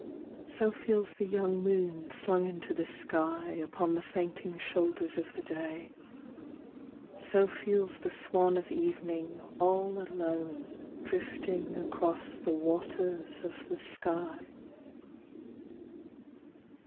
So feels the young moon slung into the sky, Upon the fainting shoulders of the day ; So feels the swan of evening all alone Drifting across the waters of the sky.